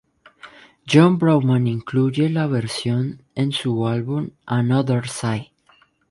John Barrowman incluye la versión en su álbum Another Side.